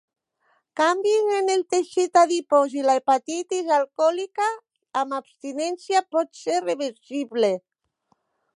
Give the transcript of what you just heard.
Canvis en el teixit adipós i la hepatitis alcohòlica amb abstinència pot ser reversible.